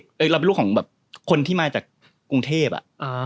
เราเป็นลูกของแบบคนที่มาจากกรุงเทพอะ